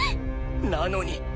なのに。